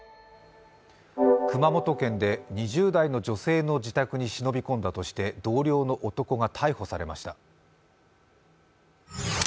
熊本県で２０代の女性の自宅に忍び込んだとして同僚の男が逮捕されました。